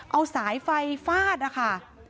เอาสายไฟฟาดนะคะ